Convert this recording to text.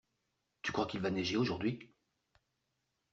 Tu crois qu'il va neiger aujourd'hui?